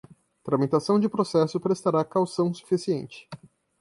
tramitação de processo prestará caução suficiente